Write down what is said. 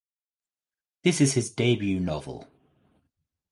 This is his debut novel.